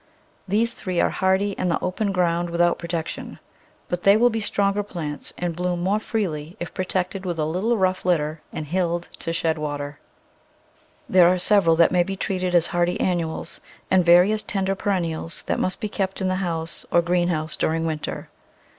These three are hardy in the open ground without protection, but they will be stronger plants and bloom more freely Digitized by Google 108 The Flower Garden [Chapter if protected with a little rough litter and hilled to shed water. There are several that may be treated as hardy annuals, and various tender perennials that must be kept in the house or greenhouse during winter.